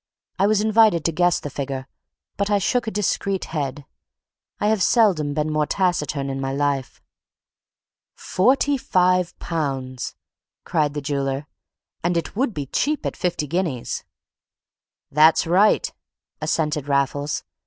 I was invited to guess the figure, but I shook a discreet head. I have seldom been more taciturn in my life. "Forty five pounds," cried the jeweller; "and it would be cheap at fifty guineas." "That's right," assented Raffles.